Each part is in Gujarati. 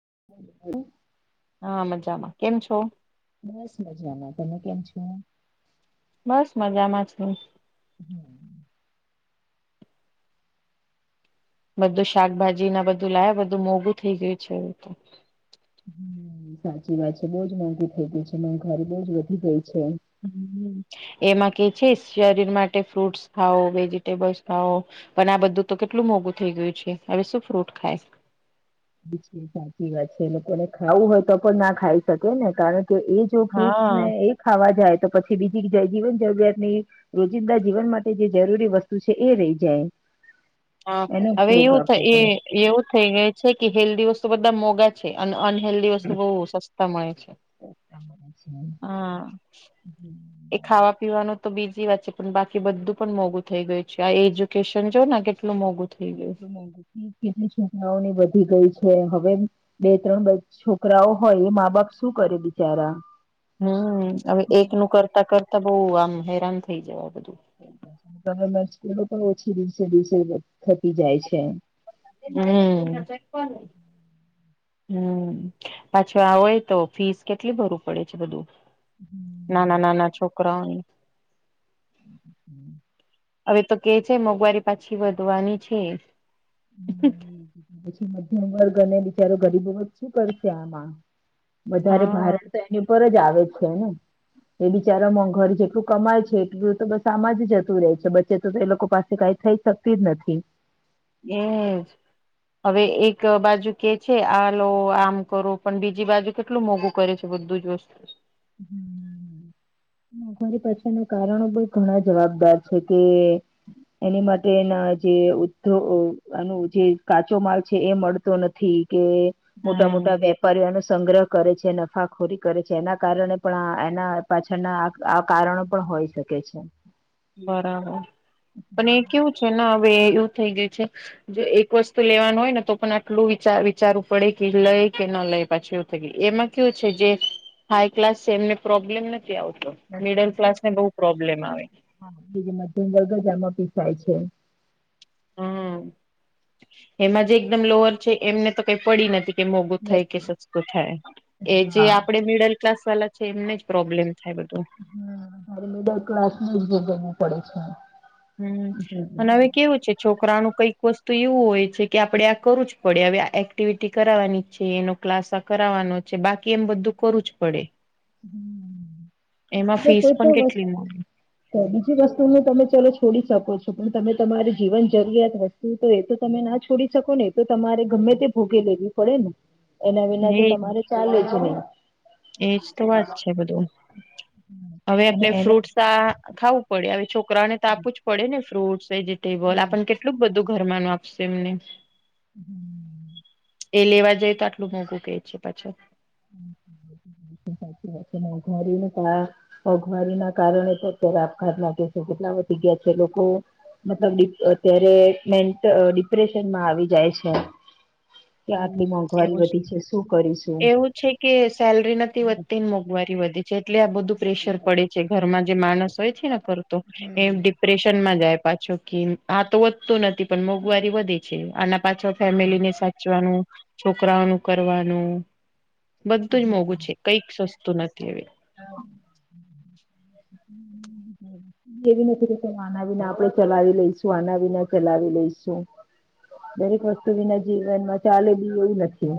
[inaudible] હા મજામાં. કેમ છો? બસ મજામાં તમે કેમ છો? બસ મજામાં છે. હમ્મ. બધું શાકભાજી ના બધું લાયા બધું મોઘું થઈ ગયું છે એવું તો હમમ અ સાચી વાત છે બઉ જ મોઘું થઇ ગયું છે. મોંઘવારી બઉ જ વધી ગઈ છે. [inaudible] એમાં કે છે શરીર માટે ફ્રૂટ્સ ખાઓ વેજીિટેબલ્સ ખાઓ પણ આ બધું તો કેટલું મોઘું થઈ ગયું છે. હવે શું ફ્રૂટ ખાય. [unintelligible] સાચી વાત છે. લોકોને ખાવું હોય તો પણ ના ખાઈ શકે ને કારણ કે એ જો ફ્રૂટ્સ હા ને એ ખાવા જાય તો પછી બીજી જીવન જરૂરિયાતની, રોજિંદા જીવન માટે જે જરૂરી વસ્તુ છે એ રહી જાય. હા એનો હવે ભોગ એવું થ આપવો એ પડે. એવું થઈ ગય છે કે હેલ્દી વસ્તુ બધા મોગા છે અન અન હેેલ્દી વસ્તુ બોવ સસ્તા મળે છે. હા હમ. ખાવા પીવાનું તો બીજી વાત છે પણ બાકી બધું પણ મોઘું થઈ ગયું છે. આ એજ્યુકેશન જો ને કેટલું મોઘું કેટલું મોઘું? કેટલી સૂચનાઓની વધી ગઈ છે. છે. હવે બે ત્રણ છોકરાઓ હોય એ મા બાપ શું કરે બિચારા હમમ અ હવે એક નું કરતા કરતા તો બઉ આમ હેરાન થઈ જવા બધું. ત મે સ્કૂલો પણ ઓછી દિવસે દિવસે થતી જાય છે. હમ્મ. હમ્મ પાછો આવય તો ફીસ કેટલી ભરવ પડે છે બધું. ના ના હમ. ના ના છોક. [unintelligible] [inaudible] હવે તો કે છે મોંઘવારી પાછી વધવાની છે. હ. વર્ગ અને બિચારો ગરીબો શું કરશે આમાં. વધારે હા ભારત તો એની ઉપર જ આવે. આવે છેને એ બિચારા મોંઘર જેટલું કમાય છે એટલું તો બસ આમાં જ જતું રહેે છે બચ્ચે તો તો એ લોકો પાસે કઈ થઈ શકતી જ નથી. એજ હવે એક બાજુ કે છે આ લો આમ કરો પણ બીજી બાજુ કેટલું મોંઘું કરે છે બધું જ વસ્તુ. અમારી પાસેના કારણો પણ ઘણા જવાબદાર છે કે એની માટેના જે ઉ આનું જે કાચો માલ છે એ મળતો નથી. કે મોટા હમ મોટા વેપારીઓ એનો સંગ્રહ કરે. જે નફાખોરી કરે છે એના કારણે પણ એના પાછળના આ કારણો પણ હોય શકે છે. બરાબર પણ એ કેવું છે ને હવે એવું થઈ ગયું છે જો એક વસ્તુ લેવાનું હોય ને તો પણ આટલું વિચાર વિચારવું પડે કે લઈ કે ન લઈ પાછી એવું થઈ ગયું એમાં કેયું છે જે હાઈ ક્લાસ છે એમને પ્રોબ્લેમ નથી. કે આવ કે મિડલ ક્લાસ ને બહ પ્રોબ્લેમ આવે. હા બીજ મધ્ય દરગજામાં પીસાય છે. હમ્મ એમાં જે એકદમ લોઅર છે એમને તો કઈ પડી નથી. કે મોગું થાય કે નથી સસ્તું થાય એ જે આપડે હા મીડલ ક્લાસ વાલા છે એમને જ પ્રોબ્લેમ થાય બધું હમ્મ મિડલ ક્લાસ ન જ પડે છે. હમ્મ હમ. અને હવે કેવું છે છોકરાનું કંઈક વસ્તુ એવું હોય છે કે આપડે આ કરું જ પડે હવે આ એક્ટિવિટી કરાવવાની છે એનો ક્લાસ કરાવનો છે બાકી એમ બધું કરું જ પડે. એમાં ફીસ પણ કેટલી મળે બીજી વસ્તુને તમે ચલો છોડી શકો છો પણ તમે તમારી જીવન જરૂરિયાત વસ્તુ તો એ તો તમે ના છોડી શકો ને એ તો તમારે ગમે તે ભોગે લેવી પડે ને. એના વિના તો એ તમારે ચાલે જ નહી. એજ તો વાત છે બધું હવે અને આપણે એના ફ્રૂટસ આ ખાવું પડે હવે જો કરા તો આપું જ પડે ને ફ્રૂટ વેજીિટેબલ આપણ કેટલુંક બધું ઘર ન આપશે એમને હમ્મ. એ લેવા જઈ તો આટલું મોંઘું કે છે પાછો. સાચી વાત છે મોઘવારી મોંઘવારી ના કારણે તો અત્યારે આપઘાત લાગે છે કેટલા વધી ગયા છે લોકો મતલબ અત્યારે મેન્ટ ડિપ્રેશનમાં આવી જાય છે. કે આટલી હમ મોંઘવારી એવું જ બધી છે શું કરીશું. એવું છે કે સેલરી નથી વધતી ને મોંઘવારી વધે છે એટલે આ બધું પ્રેશર પડે છે ઘરમાં માણસ હોય છે ના કર એ ડિપ્રેશન માં જાય. પાછો કે આ તો વધતું નથી પણ મોંઘવારી વધે છે આના પાછો ફેમિલી ની છોકરાઓ ન કરવાનું બધું જ મોંઘું છે કઈક સસ્ તું નથી હવે. એવી નથી કે આના વિના આપડે ચલાવી લઈશું આના વિના ચલાવી લઈશું દરેક વસ્તુ વિના જીવનમાં ચાલેલી એ નથી.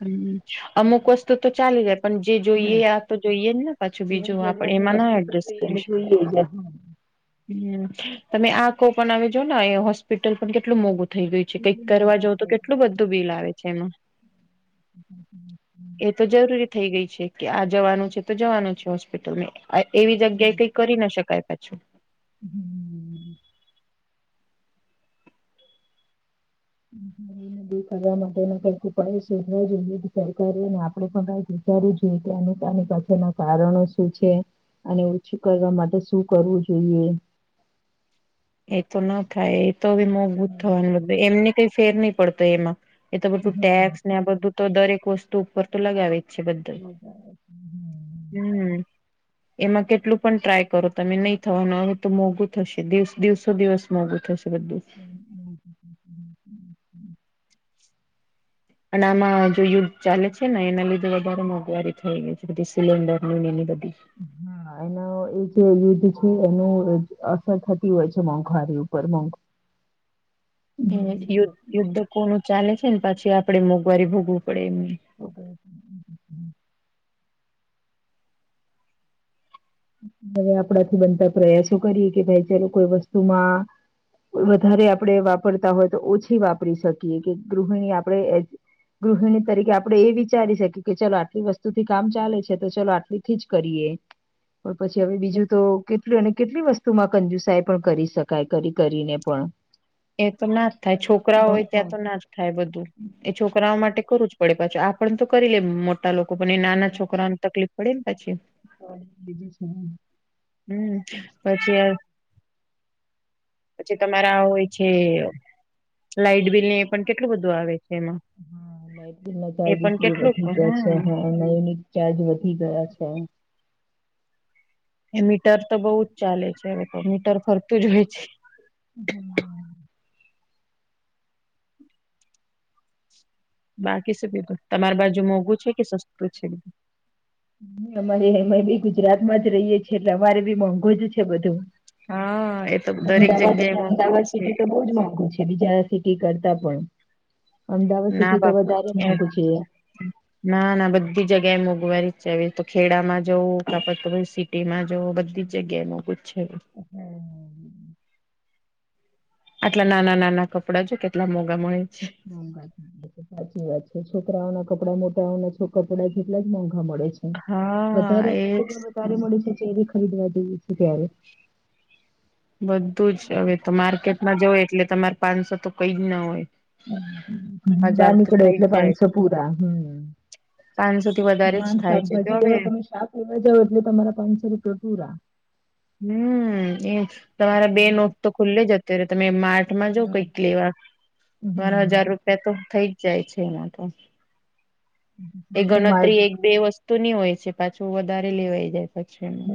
હમ અમુક વસ્તુ તો ચાલી જ પણ જે જોઈએ આ તો જોઈએ જ ને પાછું જીવન બીજું આપ જરૂરિયાતની એમાં ના વસ્તુ તો એડજસ્ટ જોઈએ ને કરીશ જોઈએ જ એટલું હમ. તમે આ કો પણ આવીજો ને એ હોસ્પિટલ પણ કેટલું મોગું થઈ ગય છે કઈક કરવા મોંઘું જવ તો થઈ ગયું કેટલું બધું બિલ આવે છે એમાં હ હ એ તો હમ. જરૂરી થઈ ગઈ છે કે આ જવાનું છે તો જવાનું છે હોસ્પિટલમાં એવી જગ્યાએ કઈ કરી ના શકાય. અચ્છા હમ દ કરવા માટે કઈક ઉપડ શોધવા જોઈએ સરકારેને આપડે પણ કઈક વિચારવું જોઈએ કે અનુતાની પાછના કારણો શું છે અને ઓછું કરવા માટે શું કરવું જોઈએ. એ તો ના ખાય. તો બી મોજબૂત થવા બધ એમને ફેર નહી પડતો એમાં એ તો બધું હમ ટેક્સ ને આ બધું તો દરેક વસ્તુ ઉપર તો લગાવે છે બધું મજા આવે છે હ. હમ એમાં કેટલું પણ ટ્રાય કરો તમે નહી થવાનું આવે તો મોંઘું થશે દિવસ દિવસો દિવસ મોગું થશે. બધું હમ. અને આમાં જો યુગ ચાલે છે ને એના લીધે વધારે મોંઘવારી થઈ ગઈ છે બધી સિલન્ડર એની બધ હા એનો એ એનું અસર થતી હોય છે મોંઘવારી ઉપર મોઘ હમ યુદ્ધ યુદ્ધ કોનું ચાલે છે ને પછી આપડે મોંઘવારી ભોગવું પડે એમ હવે હવે આપણાથી બનતા પ્રયાસો કરીએ કે ભાઈ ચાલ કોઈ વસ્તુમાં વધારે આપણે વાપરતા હોય તો ઓછી વાપરી શકીએ કે ગૃહિણી આપણે ગૃહિણી તરીકે આપણે એ વિચારી શકીએ કે ચાલ આટલી વસ્તુથી કામ ચાલે છે તો ચાલ આટલી થી જ કરીએ. પછી હવે બીજું તો કેટલું અને કેટલી વસ્તુમાં કંજુસાય પણ કરી શકાય કરી કરીને પણ એ તો ના જ થાય છોકરાઓ હમ હોય હમ ત્યાં તો ના જ થાય બધું એ છોકરાઓ માટે કરવું જ પડે પાછું આપણ તો કરી લે મો લોકો પણ નાના છોકરાને તકલીફ પડેલ પછી હા બીજું છે. હમ પછી યાર પછી તમારા હોય છે લાાઈટ બિલ ને પણ કેટલું બધું આવે છે. એમાં હા લઇટ બિલ ના એ ચાર્જસ બ પણ કેટલુંક વધી ગયા છે હા નયુનટ ચાર્જ વધી ગયા છે. એ મીટર તો બહુ જ ચાલે છે હવે મીટર ફરતું જ હોય છે. હમ. બાકી છે બીધું તમારી બાજુ મોંઘું છે કે સસ્તું છે બીધું અમારે અમે બી ગુજરાત માં જ રહીએે છીએ એટલે અમારે બી મોંઘ જ છે બધું. હા એ તો દરેક અમદાવાદ જગ્યાએ અને મોઘું અમદાવાદ જ છે. સિટી તો બહુ જ મોંઘુ બીજા સિટી કરતા પણ અમદાવાદ ના સિટી તો વધારે બાપા મોંઘુ છે. ના ના બધી જગ્યા એ મોઘવારી તો ખેડામાં જવું કેડ તો સિટીમાં જવ બધી જ જગ્યા નું ક છે. હમ. આટલા નાના નાના કપડા છે કેટલા મોગા મળે છે મ સાચ વાત સાચી વાત છે છોકરાઓ ના કપડા મોટા છો કપડા જેટલા જ વધ એનાથી હા એજ વધ મળે હરિદવાર બ છે ત્યારે બધું જ હવે તો માર્કેટમાં જવ એટલે તમારે પાંચસો તો કઈ જ ના હોય. ઘણી બહાર હજાર તો નીકળે થઈ જ એટલે જાય પાંચસો પૂરા હમ પાંચસો થી વધારે જ માન થાય છે જો શાકભાજી હવે લેવા તમે શાક લેવા જાવ એટલે તમારા પાંચસો રૂપિયા પૂરા હમ એ તમારા બે નોટ તો ખુલ્લે જ. અત્યારે તમે માર્ માં જો હમ. કઈક લેવા મારા હજાર હમ રૂપિયા તો થઈ જ જાય છે એમાં તો એ તો માર્ગ ગણતરી હમ. એક બે વસ્તુ તો ન હોય છે પાછું વધારે લેવાઈ જાય. પછી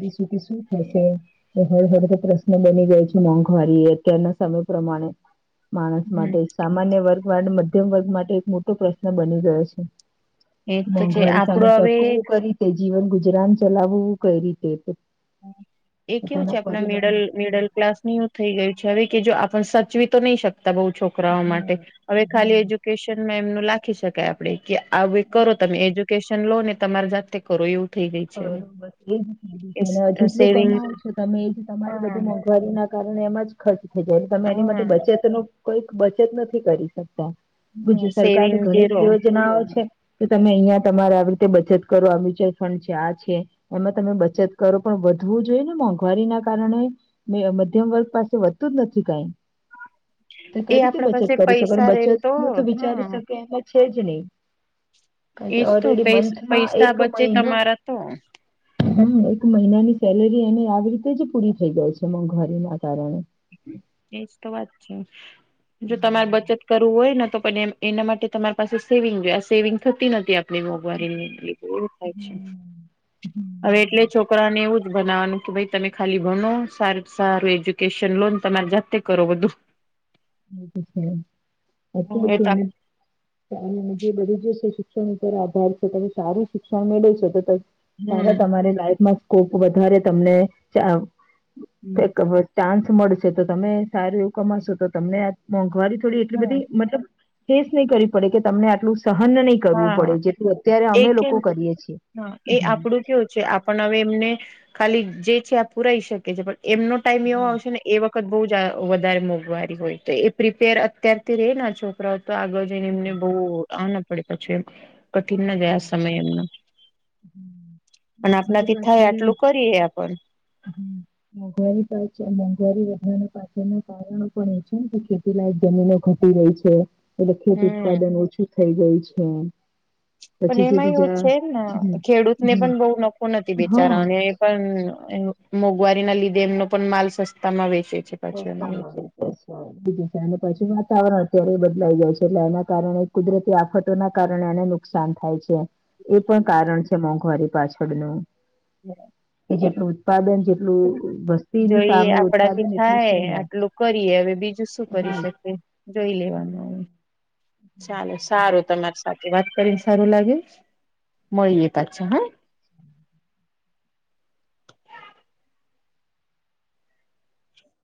પરિસ્થિતિ શું થશે હળ હળ તો પ્રશ્ન બની ગયો છે મોંઘવારી અત્યારના સમય પ્રમાણે માણસ હમ માટે સામાન્ય વર્ગ વાડ મધ્યમ વર્ગ માટે એક મોટો પ્રશ્ન બની ગયો છે. એ તો છે મોંઘવારી સામે આપડો હવે ટકવું કરી તે જીવન ગુ ગુજરામ ચલાવવું કઈ રીતે એ કેવું પોતાના છે આપણા મિડલ મિડલ ક્લાસ ની થઈ ગયું છે હવે. કે જો આપ સચવી તો નહીં શક છોકરાઓ માટે હવે ખાલી એજ્યુકેશન એ લખી શકાય આપડી. કે આવી કરો તમે એ જો કેશન લો ને તમારી જાતે કરો એવું થઈ ગઈ છે હવે બરોબર એ જીધું એને એ હજી શું સેવિંગ કમાવ છો તમે એ જે તમારી હા બધી મોંઘવારી ના કારણે એમ જ ખર્ચ જયારે તમે એની હા માટે બચત નું કોઈક બચત નથી કરી શકતી. ગુજત હા સરકાર સેવિંગ ની ઘણી ઝીરો જ યોજનાઓ છે. તમે અહિયાં તમારે આવી રીતે બચત કરવા આવી છે ફંડ છે એમાં તમે બચત કરો પણ વધવું જોઈએ ને મોંઘવારી ના કારણે મધ્યમ વર્ગ પાસે વધતું જ નથી કઈ. તો એ કઈ રીતે આપડા બચત પાસે કરી શકો પૈસા રે બચત નું તો હા વિચારી શકે એમાં છેજ ન એજ તો પૈ પૈસા એક બચે મહિનો તમારા તો હા એક મહિનાની સેલેરી એને આવી રીતે જ પૂરી થઈ ગઈ છે મઘરી ના કારણે એજ તો વાત છે જો હમ તમારે બચત કરવું હોય. પણ એના માટે તમારી પાસે સેવિંગ આ સેવિંગ થતી નથી આપ મોંઘવારી થાય છે હવે એટલે છોકરાને એવું જ બનાવાનું કે ભાઈ તમે ખાલી ભણો સ સારું એજ્યુકેશન લોન તમારે જાતે કરો બધું જે બધું હમ્મ એ તો જ શિક્ષ આભાર છે તમે સારું શિક્ષણ મેળવ છો તો ત સારા હમ તમારી લાઈફમાં કોપ વધારે તમને તો ચાસ મળશે તો તમે સારું એવું કમાશો તો તમને આ મોંઘવારી થોડી એટલી હા બધી મતલબ ફેસ નહી કરવી પડે કે તમને આટલું સહન નહી કરવું પડે હા જેટલું અત્યારે એ અમે કેમ લોકો કરીએ છીએ હ એ હમ આપડું કેવું છે આપણ હવે એમને ખાલી જે છે આ પુરાઈ શકે છે પણ એમનો ટાઈમ એવો હમ આવશે ને એ વખતે બ વધારે મોંઘવારી હોય તો એ પ્રિપેર અત્યારથી ર છોકરા તો આગળ જઈને એમને બહુ હ. પડી પ છે. હ અને ઘરી આપણાથી થાય પાછળ હ આટલું કરીએ આપણ ઘરી પાછળ રી વધ પાછળ ન કારણો પણ એ છે ને કે ખેતીલાયક જમીનો ઘટી રહી છે. એટલે ખેત હમ ઉત્પાદન ઓછું થઈ ગઈ છે એમ. પણ એમાં એવું છે ને ખેડૂત ને પણ હમ્મ બહુ નકો નથી બેચારા હા અને એ પણ મોંઘવારી ના લીધે એમનો પણ માલ સસ્તામાં આવે. રસ્તામાં પછી વાતાવરણ અત્યારે લઈ જાય છે એટલે એના કારણે કુદરતી આફતોના કારણે એને નુકસાન થાય છે એ પણ કારણ છે મોંઘવારી પાછળનું બરા કેટું ઉત્પાદન જેટલું વસ્તીની સામે ઉત્પાદન એટલું છે હાય નહી. આટલું કરીએ હવે બીજું શું કરી હમ્મ. શકે. જોઈ લેવાનું ચાલો સારું તમાર સાચી વાત કરીને સારું લાગે મળીએ કછા હા.